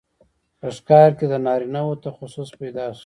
په ښکار کې د نارینه وو تخصص پیدا شو.